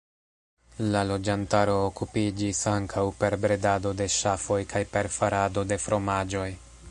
La loĝantaro okupiĝis ankaŭ per bredado de ŝafoj kaj per farado de fromaĝoj.